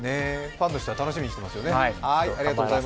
ファンの人は楽しみにしてますよね。